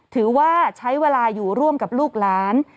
ถือว่าใช้เวลาอยู่ร่วมกับลูกหลาน